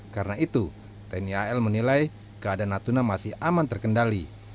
karena itu tni al menilai keadaan natuna masih aman terkendali